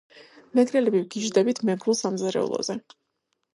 მეგრელები ვგიჟდებით მეგრულ სამზარეულოზე.